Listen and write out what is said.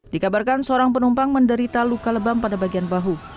dikabarkan seorang penumpang menderita luka lebam pada bagian bahu